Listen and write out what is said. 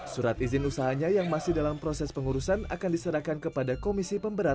surat izin usahanya yang masih dalam proses pengurusan akan diserahkan kepada komisi pemberantasan